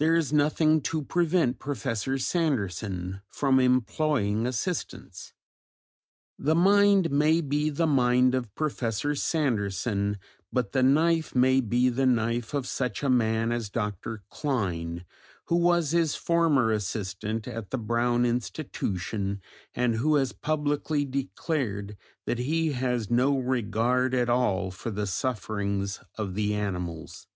There is nothing to prevent Professor Sanderson from employing assistants. The mind may be the mind of Professor Sanderson, but the knife may be the knife of such a man as Dr. Klein, who was his former assistant at the Brown Institution, and who has publicly declared that "he has no regard at all for the sufferings of the animals."